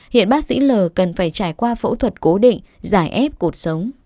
hiện bác sĩ l cần phải trải qua phẫu thuật cố định giải ép cuộc sống